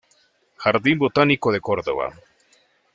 Jardín Botánico de Córdoba.